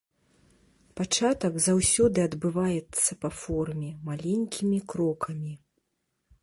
Пачатак заўсёды адбываецца па форме, маленькімі крокамі.